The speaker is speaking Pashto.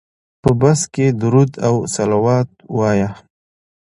په بس کې درود او صلوات وایه.